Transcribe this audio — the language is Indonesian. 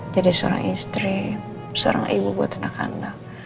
jadi seorang istri seorang ibu buat anak anak